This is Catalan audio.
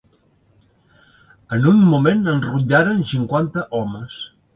En un moment l'enrotllaren cinquanta homes.